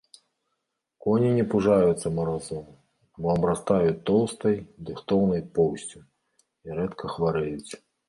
Коні не пужаюцца маразоў, бо абрастаюць тоўстай, дыхтоўнай поўсцю, і рэдка хварэюць.